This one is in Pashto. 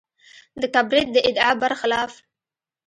د کبریت د ادعا برخلاف.